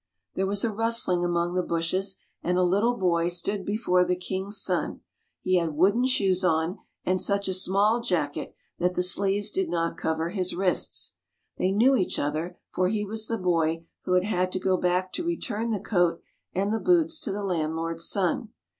There was a rustling among the bushes, and a little boy stood before the king's son; he had wooden shoes on, and such a small jacket that the sleeves did not cover his wrists. They knew each other, for he was the boy who had had to go back to return the coat and the boots to the landlord's son.